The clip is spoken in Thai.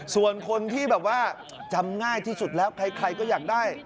ส่วนคนที่แบบว่าจำง่ายที่สุดแล้วใครก็อยากได้